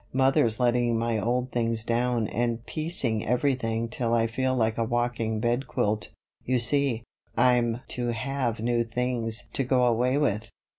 "Mother's letting my old things down and piecing everything till I feel like a walking bedquilt. You see, I'm to have new things to go away with."